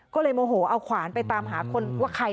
ก็เลยโมโหเอาขวานไปตามหาคนว่าใคร